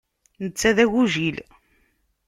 Netta d agujil.